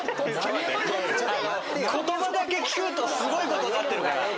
言葉だけ聞くとすごいことになってるから。